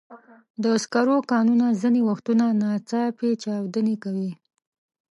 د سکرو کانونه ځینې وختونه ناڅاپي چاودنې کوي.